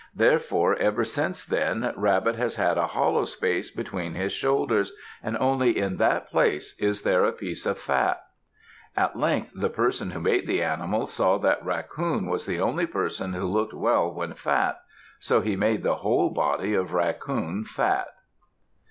Therefore, ever since then Rabbit has had a hollow space between his shoulders, and only in that place is there a piece of fat. At length the person who made the animals saw that Raccoon was the only person who looked well when fat. So he made the whole body of Raccoon fat.